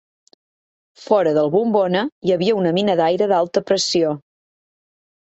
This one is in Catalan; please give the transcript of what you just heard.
Fora del bombona hi havia una mina d'aire d'alta pressió.